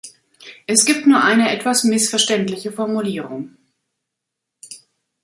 Es gibt nur eine etwas missverständliche Formulierung.